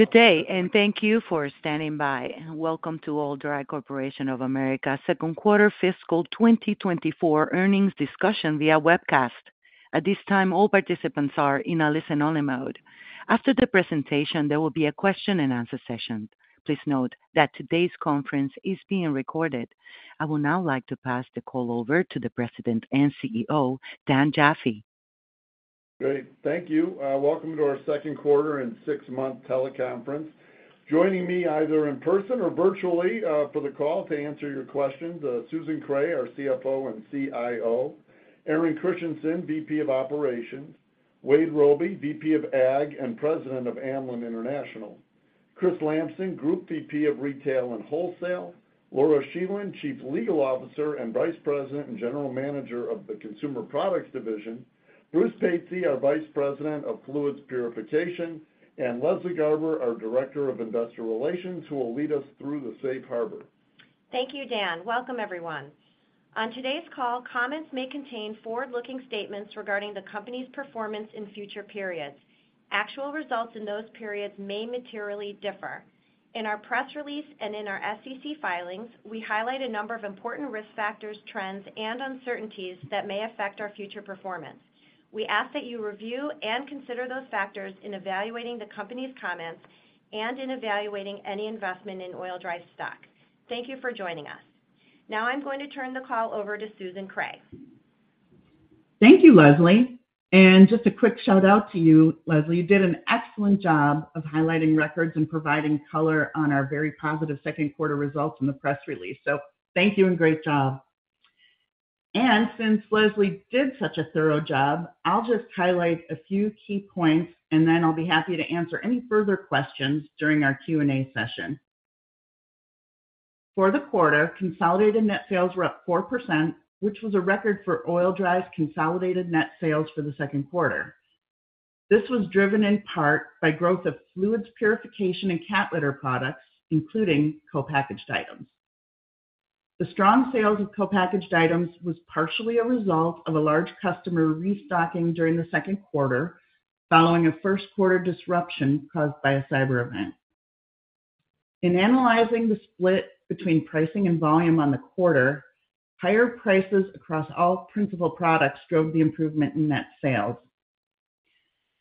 Good day, and thank you for standing by. Welcome to Oil-Dri Corporation of America second quarter fiscal 2024 earnings discussion via webcast. At this time, all participants are in a listen-only mode. After the presentation, there will be a question-and-answer session. Please note that today's conference is being recorded. I would now like to pass the call over to the President and CEO, Dan Jaffee. Great, thank you. Welcome to our second quarter and six-month teleconference. Joining me either in person or virtually for the call to answer your questions: Susan Kreh, our CFO and CIO, Aaron Christiansen, VP of Operations, Wade Robey, VP of Ag and President of Amlan International, Chris Lamson, Group VP of Retail and Wholesale, Laura Scheland, Chief Legal Officer and Vice President and General Manager of the Consumer Products Division, Bruce Patsey, our Vice President of Fluids Purification, and Leslie Garber, our Director of Investor Relations, who will lead us through the safe harbor. Thank you, Dan. Welcome, everyone. On today's call, comments may contain forward-looking statements regarding the company's performance in future periods. Actual results in those periods may materially differ. In our press release and in our SEC filings, we highlight a number of important risk factors, trends, and uncertainties that may affect our future performance. We ask that you review and consider those factors in evaluating the company's comments and in evaluating any investment in Oil-Dri stock. Thank you for joining us. Now I'm going to turn the call over to Susan Kreh. Thank you, Leslie. And just a quick shout-out to you, Leslie. You did an excellent job of highlighting records and providing color on our very positive second quarter results in the press release, so thank you and great job. And since Leslie did such a thorough job, I'll just highlight a few key points, and then I'll be happy to answer any further questions during our Q&A session. For the quarter, consolidated net sales were up 4%, which was a record for Oil-Dri consolidated net sales for the second quarter. This was driven in part by growth of fluids purification and cat litter products, including co-packaged items. The strong sales of co-packaged items were partially a result of a large customer restocking during the second quarter following a first quarter disruption caused by a cyber event. In analyzing the split between pricing and volume on the quarter, higher prices across all principal products drove the improvement in net sales.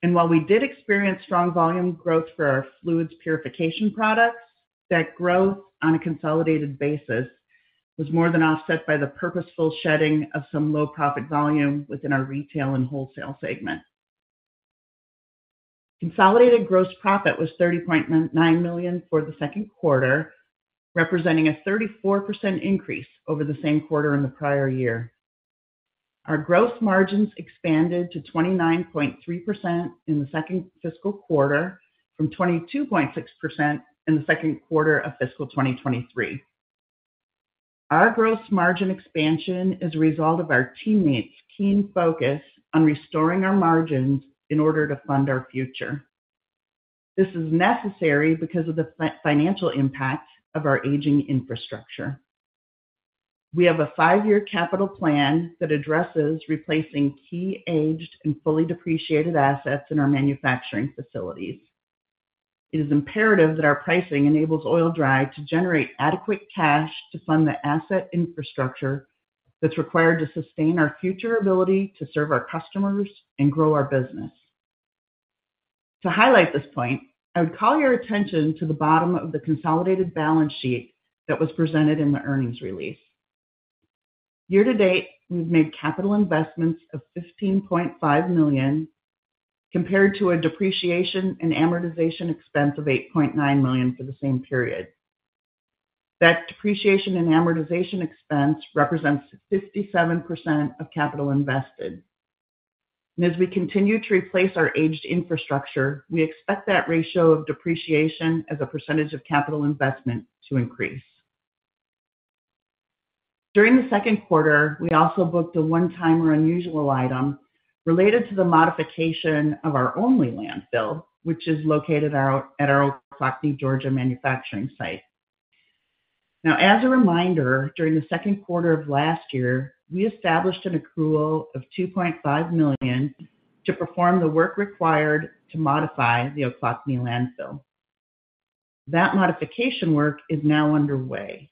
While we did experience strong volume growth for our fluids purification products, that growth on a consolidated basis was more than offset by the purposeful shedding of some low-profit volume within our retail and wholesale segment. Consolidated gross profit was $30.9 million for the second quarter, representing a 34% increase over the same quarter in the prior year. Our gross margins expanded to 29.3% in the second fiscal quarter from 22.6% in the second quarter of fiscal 2023. Our gross margin expansion is a result of our teammates' keen focus on restoring our margins in order to fund our future. This is necessary because of the financial impact of our aging infrastructure. We have a five-year capital plan that addresses replacing key aged and fully depreciated assets in our manufacturing facilities. It is imperative that our pricing enables Oil-Dri to generate adequate cash to fund the asset infrastructure that's required to sustain our future ability to serve our customers and grow our business. To highlight this point, I would call your attention to the bottom of the consolidated balance sheet that was presented in the earnings release. Year to date, we've made capital investments of $15.5 million compared to a depreciation and amortization expense of $8.9 million for the same period. That depreciation and amortization expense represents 57% of capital invested. As we continue to replace our aged infrastructure, we expect that ratio of depreciation as a percentage of capital investment to increase. During the second quarter, we also booked a one-time or unusual item related to the modification of our only landfill, which is located at our Ochlocknee, Georgia, manufacturing site. Now, as a reminder, during the second quarter of last year, we established an accrual of $2.5 million to perform the work required to modify the Ochlocknee landfill. That modification work is now underway.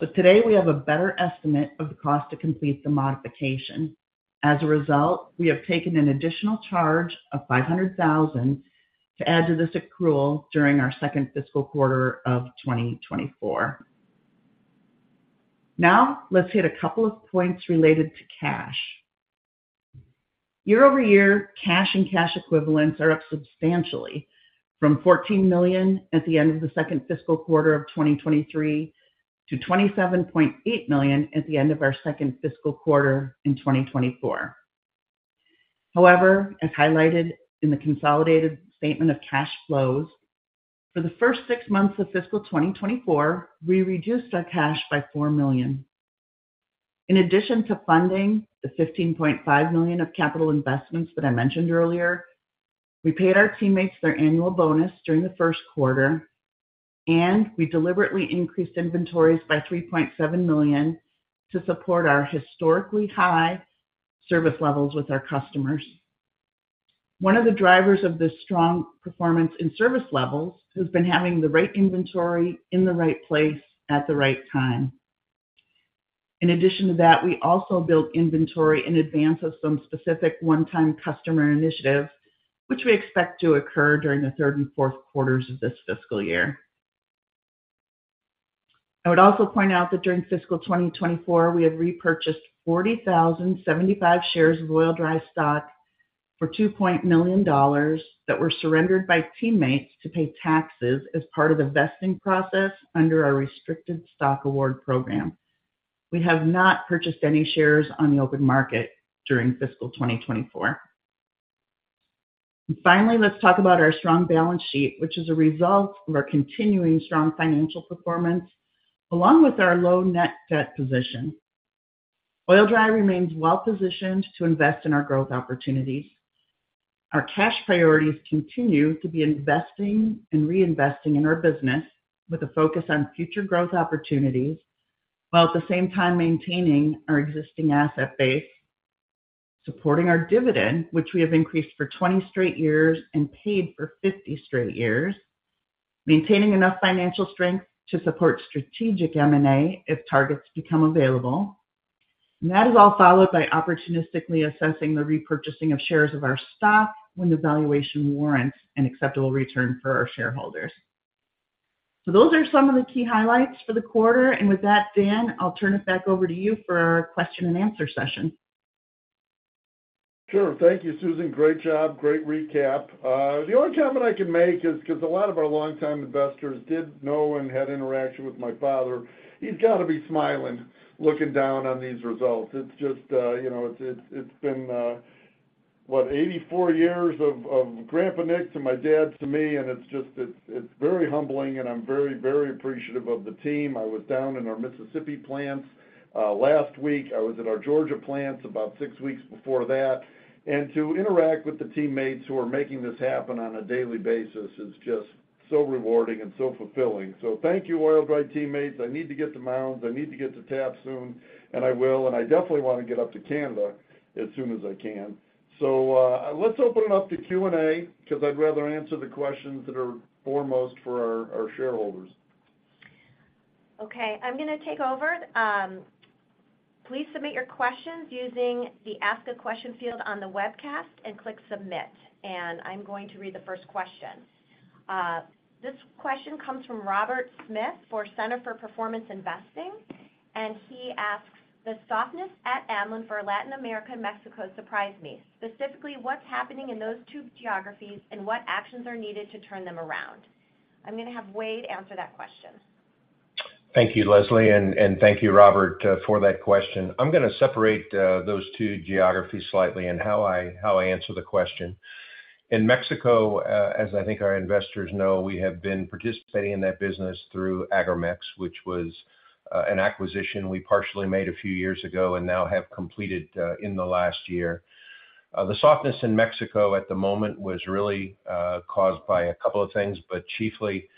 So today, we have a better estimate of the cost to complete the modification. As a result, we have taken an additional charge of $500,000 to add to this accrual during our second fiscal quarter of 2024. Now let's hit a couple of points related to cash. Year-over-year, cash and cash equivalents are up substantially from $14 million at the end of the second fiscal quarter of 2023 to $27.8 million at the end of our second fiscal quarter in 2024. However, as highlighted in the consolidated statement of cash flows, for the first six months of fiscal 2024, we reduced our cash by $4 million. In addition to funding the $15.5 million of capital investments that I mentioned earlier, we paid our teammates their annual bonus during the first quarter, and we deliberately increased inventories by $3.7 million to support our historically high service levels with our customers. One of the drivers of this strong performance in service levels has been having the right inventory in the right place at the right time. In addition to that, we also built inventory in advance of some specific one-time customer initiatives, which we expect to occur during the third and fourth quarters of this fiscal year. I would also point out that during fiscal 2024, we have repurchased 40,075 shares of Oil-Dri stock for $2.0 million that were surrendered by teammates to pay taxes as part of the vesting process under our restricted stock award program. We have not purchased any shares on the open market during fiscal 2024. Finally, let's talk about our strong balance sheet, which is a result of our continuing strong financial performance along with our low net debt position. Oil-Dri remains well-positioned to invest in our growth opportunities. Our cash priorities continue to be investing and reinvesting in our business with a focus on future growth opportunities while at the same time maintaining our existing asset base, supporting our dividend, which we have increased for 20 straight years and paid for 50 straight years, maintaining enough financial strength to support strategic M&A if targets become available. That is all followed by opportunistically assessing the repurchasing of shares of our stock when the valuation warrants an acceptable return for our shareholders. Those are some of the key highlights for the quarter. With that, Dan, I'll turn it back over to you for our question-and-answer session. Sure. Thank you, Susan. Great job. Great recap. The only comment I can make is because a lot of our long-time investors did know and had interaction with my father, he's got to be smiling looking down on these results. It's just, you know, it's been, what, 84 years of Grandpa Nick to my dad to me, and it's just, it's very humbling, and I'm very, very appreciative of the team. I was down in our Mississippi plants last week. I was at our Georgia plants about six weeks before that. And to interact with the teammates who are making this happen on a daily basis is just so rewarding and so fulfilling. So thank you, Oil-Dri teammates. I need to get to Mounds. I need to get to Taft soon, and I will. And I definitely want to get up to Canada as soon as I can. Let's open it up to Q&A because I'd rather answer the questions that are foremost for our shareholders. Okay. I'm going to take over. Please submit your questions using the Ask a Question field on the webcast and click Submit. I'm going to read the first question. This question comes from Robert Smith for Center for Performance Investing, and he asks, "The softness at Amlan for Latin America and Mexico surprised me. Specifically, what's happening in those two geographies and what actions are needed to turn them around?" I'm going to have Wade answer that question. Thank you, Leslie, and thank you, Robert, for that question. I'm going to separate those two geographies slightly in how I answer the question. In Mexico, as I think our investors know, we have been participating in that business through Agromex, which was an acquisition we partially made a few years ago and now have completed in the last year. The softness in Mexico at the moment was really caused by a couple of things, but chiefly,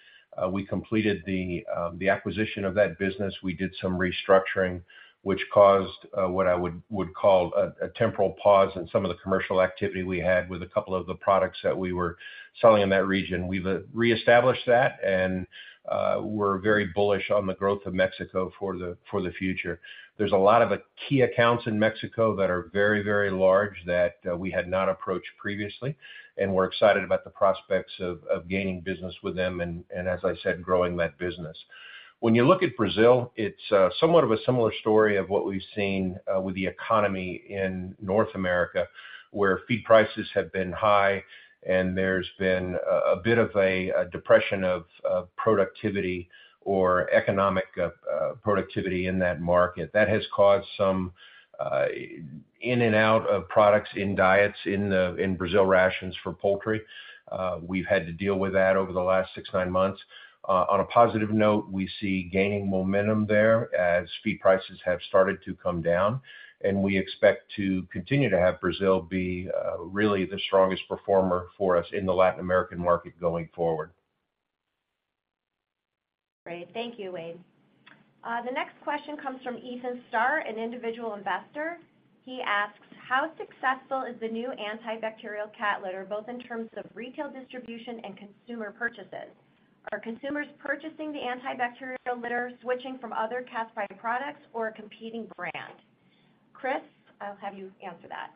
we completed the acquisition of that business. We did some restructuring, which caused what I would call a temporal pause in some of the commercial activity we had with a couple of the products that we were selling in that region. We've reestablished that and we're very bullish on the growth of Mexico for the future. There's a lot of key accounts in Mexico that are very, very large that we had not approached previously, and we're excited about the prospects of gaining business with them and, as I said, growing that business. When you look at Brazil, it's somewhat of a similar story of what we've seen with the economy in North America, where feed prices have been high and there's been a bit of a depression of productivity or economic productivity in that market. That has caused some in and out of products in diets in Brazil rations for poultry. We've had to deal with that over the last 6, 9 months. On a positive note, we see gaining momentum there as feed prices have started to come down, and we expect to continue to have Brazil be really the strongest performer for us in the Latin American market going forward. Great. Thank you, Wade. The next question comes from Ethan Starr, an individual investor. He asks, "How successful is the new antibacterial cat litter both in terms of retail distribution and consumer purchases? Are consumers purchasing the antibacterial litter switching from other Cat's Pride products or a competing brand?" Chris, I'll have you answer that.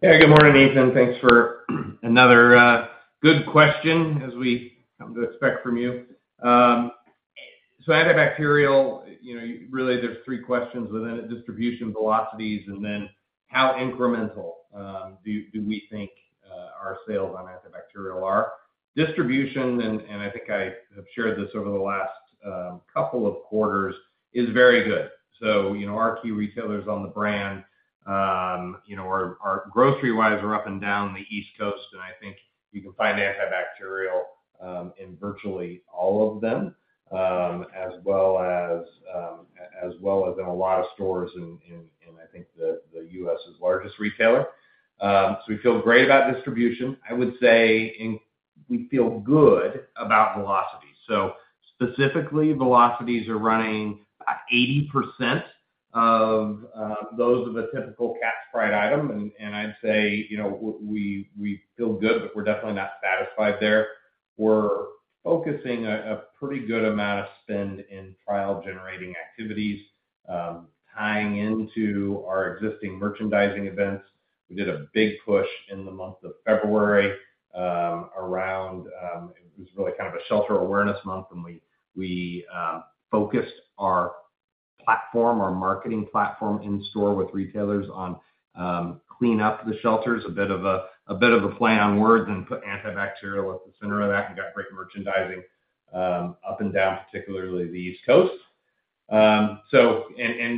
Yeah. Good morning, Ethan. Thanks for another good question, as we come to expect from you. So antibacterial, really, there's three questions within it: distribution, velocities, and then how incremental do we think our sales on antibacterial are? Distribution, and I think I have shared this over the last couple of quarters, is very good. So our key retailers on the brand, our grocery-wise, are up and down the East Coast, and I think you can find antibacterial in virtually all of them, as well as in a lot of stores in, I think, the U.S.'s largest retailer. So we feel great about distribution. I would say we feel good about velocities. So specifically, velocities are running about 80% of those of a typical Cat's Pride item, and I'd say we feel good, but we're definitely not satisfied there. We're focusing a pretty good amount of spend in trial-generating activities tying into our existing merchandising events. We did a big push in the month of February around it was really kind of a shelter awareness month, and we focused our platform, our marketing platform in-store with retailers on cleaning up the shelters, a bit of a play on words, and putting antibacterial at the center of that and got great merchandising up and down, particularly the East Coast.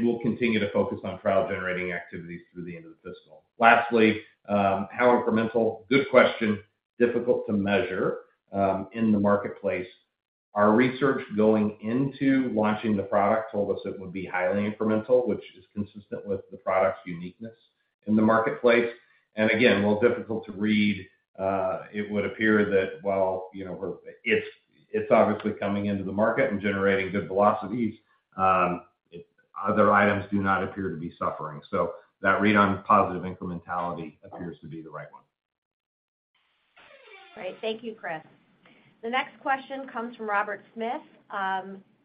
We'll continue to focus on trial-generating activities through the end of the fiscal. Lastly, how incremental? Good question. Difficult to measure in the marketplace. Our research going into launching the product told us it would be highly incremental, which is consistent with the product's uniqueness in the marketplace. Again, while difficult to read, it would appear that while it's obviously coming into the market and generating good velocities, other items do not appear to be suffering. That read on positive incrementality appears to be the right one. Great. Thank you, Chris. The next question comes from Robert Smith.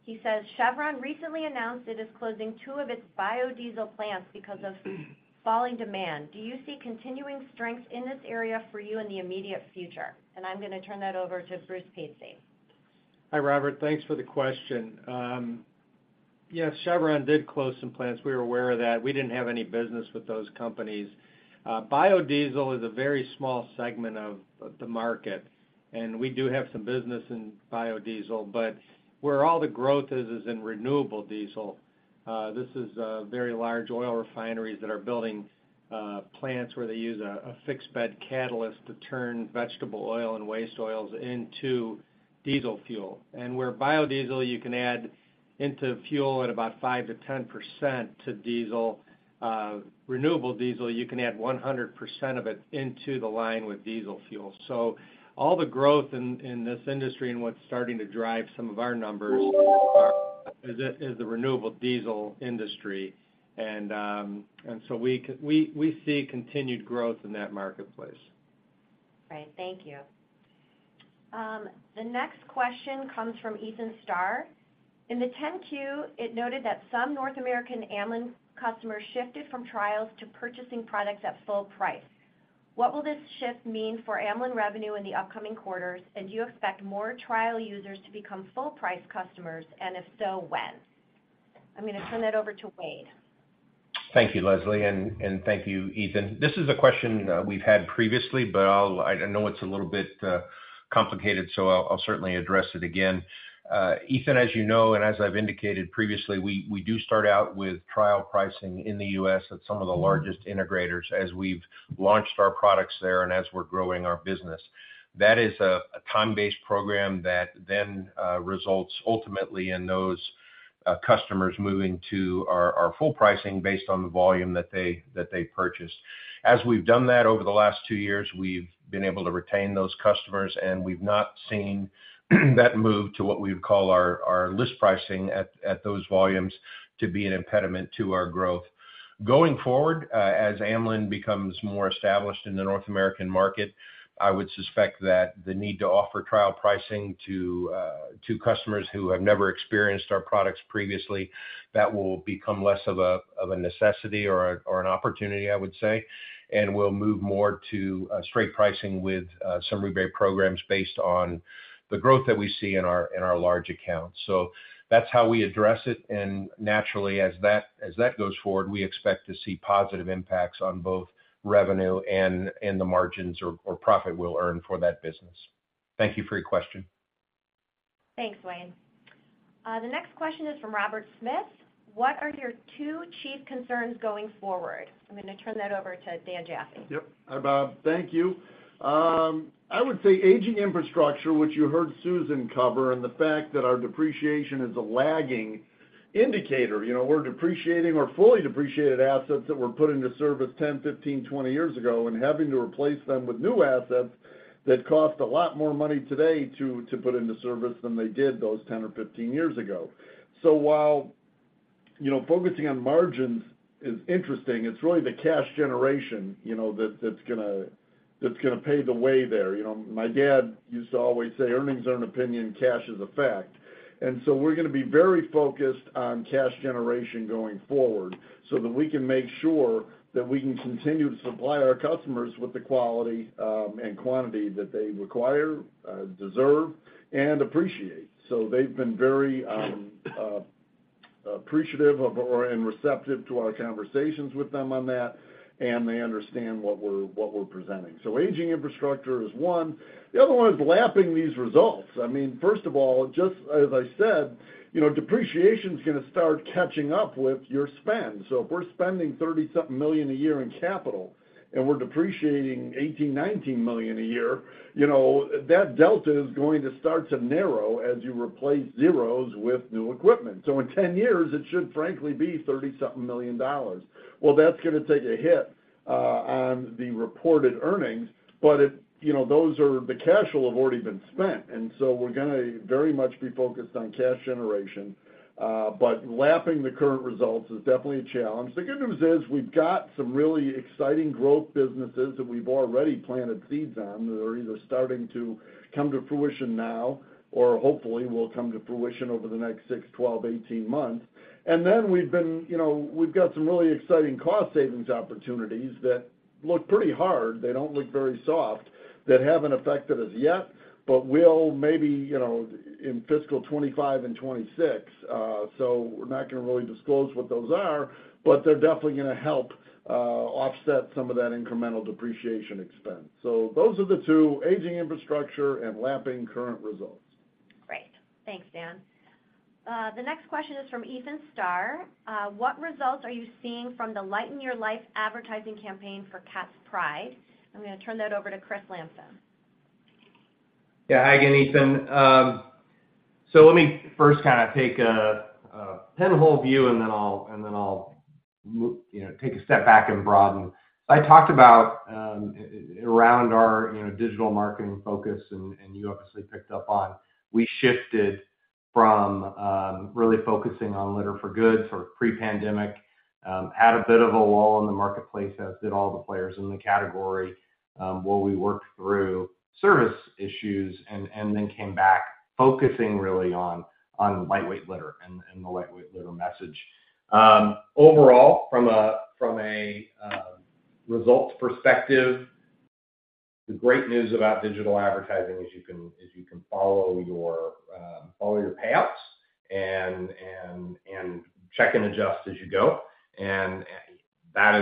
He says, "Chevron recently announced it is closing 2 of its biodiesel plants because of falling demand. Do you see continuing strength in this area for you in the immediate future?" I'm going to turn that over to Bruce Patsey. Hi, Robert. Thanks for the question. Yes, Chevron did close some plants. We were aware of that. We didn't have any business with those companies. Biodiesel is a very small segment of the market, and we do have some business in biodiesel, but where all the growth is, is in renewable diesel. This is very large oil refineries that are building plants where they use a fixed-bed catalyst to turn vegetable oil and waste oils into diesel fuel. And where biodiesel, you can add into fuel at about 5%-10% to diesel. Renewable diesel, you can add 100% of it into the line with diesel fuel. So all the growth in this industry and what's starting to drive some of our numbers is the renewable diesel industry. And so we see continued growth in that marketplace. Great. Thank you. The next question comes from Ethan Starr. "In the 10-Q, it noted that some North American Amlan customers shifted from trials to purchasing products at full price. What will this shift mean for Amlan revenue in the upcoming quarters, and do you expect more trial users to become full-price customers, and if so, when?" I'm going to turn that over to Wade. Thank you, Leslie, and thank you, Ethan. This is a question we've had previously, but I know it's a little bit complicated, so I'll certainly address it again. Ethan, as you know and as I've indicated previously, we do start out with trial pricing in the U.S. at some of the largest integrators as we've launched our products there and as we're growing our business. That is a time-based program that then results ultimately in those customers moving to our full pricing based on the volume that they purchased. As we've done that over the last two years, we've been able to retain those customers, and we've not seen that move to what we would call our list pricing at those volumes to be an impediment to our growth. Going forward, as Amlan becomes more established in the North American market, I would suspect that the need to offer trial pricing to customers who have never experienced our products previously, that will become less of a necessity or an opportunity, I would say, and we'll move more to straight pricing with some rebate programs based on the growth that we see in our large accounts. That's how we address it. Naturally, as that goes forward, we expect to see positive impacts on both revenue and the margins or profit we'll earn for that business. Thank you for your question. Thanks, Wade. The next question is from Robert Smith. "What are your two chief concerns going forward?" I'm going to turn that over to Dan Jaffee. Yep. Hi, Bob. Thank you. I would say aging infrastructure, which you heard Susan cover, and the fact that our depreciation is a lagging indicator. We're depreciating our fully depreciated assets that were put into service 10, 15, 20 years ago and having to replace them with new assets that cost a lot more money today to put into service than they did those 10 or 15 years ago. So while focusing on margins is interesting, it's really the cash generation that's going to pay the way there. My dad used to always say, "Earnings are an opinion. Cash is a fact." And so we're going to be very focused on cash generation going forward so that we can make sure that we can continue to supply our customers with the quality and quantity that they require, deserve, and appreciate. So they've been very appreciative and receptive to our conversations with them on that, and they understand what we're presenting. So aging infrastructure is one. The other one is lapping these results. I mean, first of all, just as I said, depreciation's going to start catching up with your spend. So if we're spending $30-something million a year in capital and we're depreciating $18-$19 million a year, that delta is going to start to narrow as you replace zeros with new equipment. So in 10 years, it should frankly be $30-something million. Well, that's going to take a hit on the reported earnings, but the cash will have already been spent. And so we're going to very much be focused on cash generation, but lapping the current results is definitely a challenge. The good news is we've got some really exciting growth businesses that we've already planted seeds on that are either starting to come to fruition now or hopefully will come to fruition over the next 6, 12, 18 months. And then we've got some really exciting cost savings opportunities that look pretty hard. They don't look very soft that haven't affected us yet, but we'll maybe in fiscal 2025 and 2026. So we're not going to really disclose what those are, but they're definitely going to help offset some of that incremental depreciation expense. So those are the two, aging infrastructure and lapping current results. Great. Thanks, Dan. The next question is from Ethan Starr. "What results are you seeing from the Lighten Your Life advertising campaign for Cat's Pride?" I'm going to turn that over to Chris Lamson. Yeah. Hi, again, Ethan. So let me first kind of take a pinhole view, and then I'll take a step back and broaden. So I talked about around our digital marketing focus, and you obviously picked up on, we shifted from really focusing on Litter for Good sort of pre-pandemic, had a bit of a wall in the marketplace as did all the players in the category while we worked through service issues, and then came back focusing really on lightweight litter and the lightweight litter message. Overall, from a results perspective, the great news about digital advertising is you can follow your payouts and check and adjust as you go. And that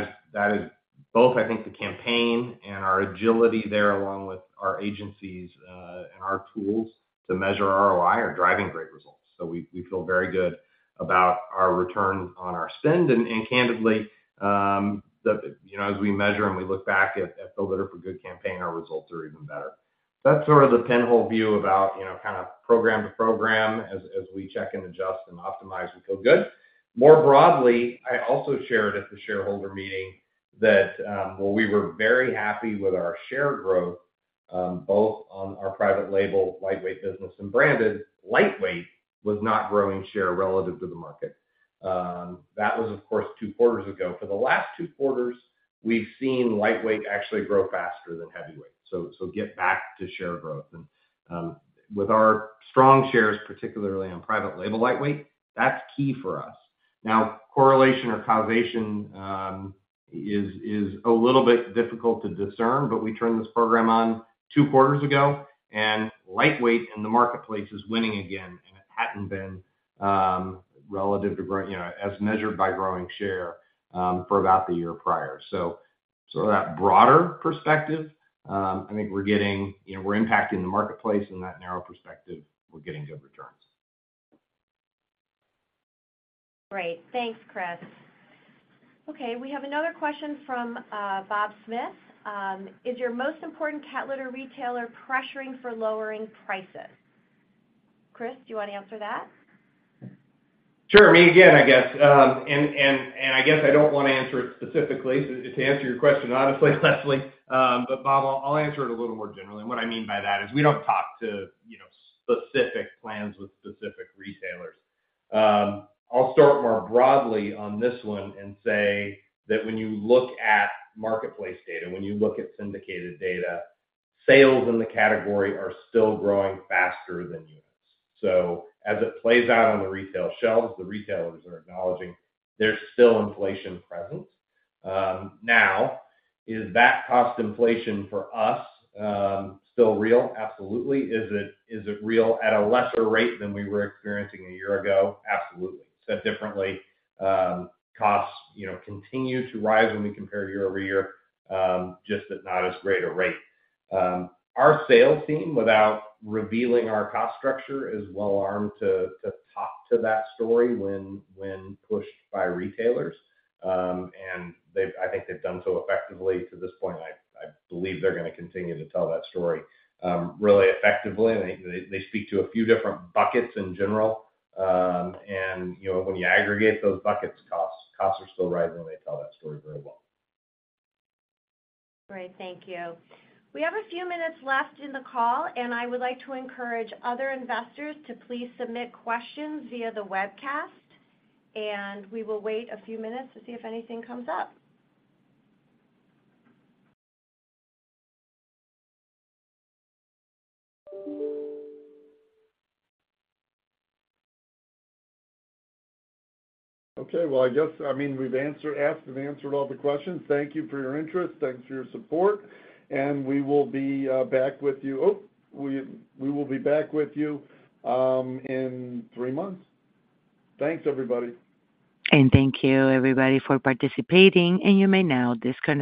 is both, I think, the campaign and our agility there along with our agencies and our tools to measure ROI are driving great results. So we feel very good about our return on our spend. Candidly, as we measure and we look back at the Litter for Good campaign, our results are even better. That's sort of the pinhole view about kind of program to program. As we check and adjust and optimize, we feel good. More broadly, I also shared at the shareholder meeting that while we were very happy with our share growth, both on our private label, lightweight business, and branded, lightweight was not growing share relative to the market. That was, of course, two quarters ago. For the last two quarters, we've seen lightweight actually grow faster than heavyweight. Get back to share growth. With our strong shares, particularly on private label lightweight, that's key for us. Now, correlation or causation is a little bit difficult to discern, but we turned this program on 2 quarters ago, and lightweight in the marketplace is winning again, and it hadn't been relative to as measured by growing share for about the year prior. So sort of that broader perspective, I think we're getting we're impacting the marketplace. In that narrow perspective, we're getting good returns. Great. Thanks, Chris. Okay. We have another question from Bob Smith. "Is your most important cat litter retailer pressuring for lowering prices?" Chris, do you want to answer that? Sure. Me again, I guess. And I guess I don't want to answer it specifically to answer your question, honestly, Leslie, but Bob, I'll answer it a little more generally. And what I mean by that is we don't talk to specific plans with specific retailers. I'll start more broadly on this one and say that when you look at marketplace data, when you look at syndicated data, sales in the category are still growing faster than units. So as it plays out on the retail shelves, the retailers are acknowledging there's still inflation present. Now, is that cost inflation for us still real? Absolutely. Is it real at a lesser rate than we were experiencing a year ago? Absolutely. Said differently, costs continue to rise when we compare year-over-year, just at not as great a rate. Our sales team, without revealing our cost structure, is well-armed to talk to that story when pushed by retailers. I think they've done so effectively to this point. I believe they're going to continue to tell that story really effectively. They speak to a few different buckets in general. When you aggregate those buckets, costs are still rising, and they tell that story very well. Great. Thank you. We have a few minutes left in the call, and I would like to encourage other investors to please submit questions via the webcast, and we will wait a few minutes to see if anything comes up. Okay. Well, I guess, I mean, we've asked and answered all the questions. Thank you for your interest. Thanks for your support. And we will be back with you oh, we will be back with you in three months. Thanks, everybody. Thank you, everybody, for participating. You may now disconnect.